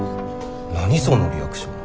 何そのリアクション。